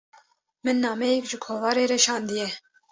min nameyek ji kovarê re şandiye.